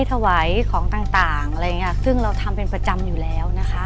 ถวายของต่างต่างอะไรอย่างเงี้ยซึ่งเราทำเป็นประจำอยู่แล้วนะคะ